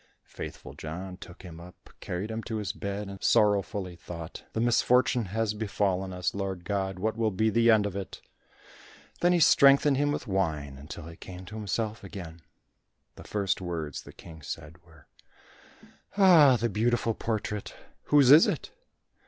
Faithful John took him up, carried him to his bed, and sorrowfully thought, "The misfortune has befallen us, Lord God, what will be the end of it?" Then he strengthened him with wine, until he came to himself again. The first words the King said were, "Ah, the beautiful portrait! whose it it?"